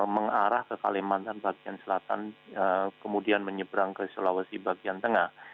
mengarah ke kalimantan bagian selatan kemudian menyeberang ke sulawesi bagian tengah